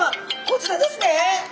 こちらですね。